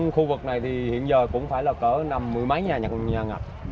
khu vực này thì hiện giờ cũng phải là cỡ năm mươi mấy nhà ngập